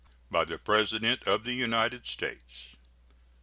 BY THE PRESIDENT OF THE UNITED STATES.